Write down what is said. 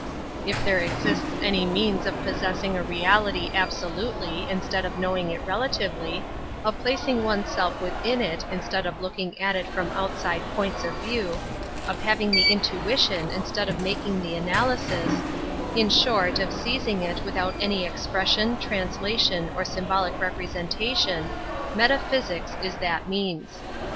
If there exists any means of possessing a reality absolutely in stead of knowing it relatively, of placing oneself within it instead of looking at it from outside points of view, of having the intuition instead of making the analysis: in short, of seizing it without any expres sion, translation, or symbolic representation — metaphysics is that means.